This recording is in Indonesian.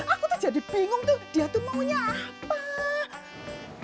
aku tuh jadi bingung tuh dia tuh maunya apa